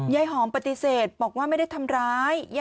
ยายหอมปฏิเสธบอกว่าไม่ได้ทำร้าย